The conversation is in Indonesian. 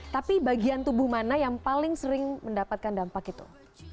tapi bagian tubuh mana yang paling sering mendapatkan dampak itu